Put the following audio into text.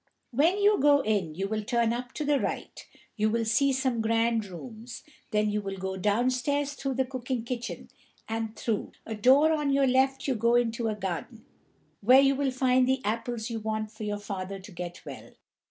"When you go in, you will turn up to the right; you will see some grand rooms, then you will go downstairs through the cooking kitchen, and through; a door on your left you go into a garden, where you will find the apples you want for your father to get well.